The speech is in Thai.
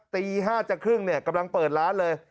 ตี๕จากครึ่งกำลังเปิดร้านเลย